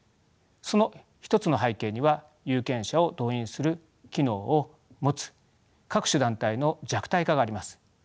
その１つの背景には有権者を動員する機能を持つ各種団体の弱体化があります。